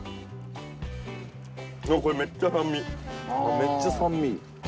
めっちゃ酸味。